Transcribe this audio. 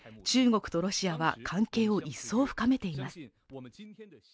中国とロシアは関係を一層深めています。